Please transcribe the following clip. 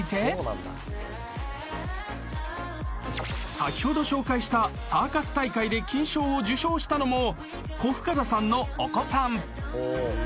［先ほど紹介したサーカス大会で金賞を受賞したのも小深田さんのお子さん］